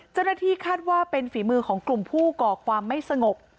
เจ้าหน้าที่คาดว่าเป็นฝีมือของกลุ่มผู้ก่อความไม่สงบ